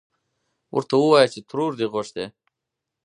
ورته ووايه چې ترور دې غوښتې.